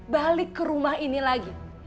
balik ke rumah ini lagi